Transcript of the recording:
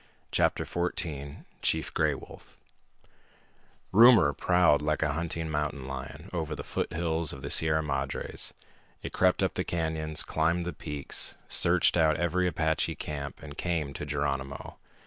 CHAPTER FOURTEEN Chief Gray Wolf Rumor prowled like a hunting mountain lion over the foothills of the Sierra Madres. It crept up the canyons, climbed the peaks, searched out every Apache camp, and came to Geronimo.